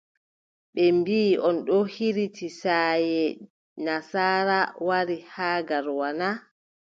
Ɓe mbiʼi on ɗo hiriti saaye nasaara, wari haa Garoua na ?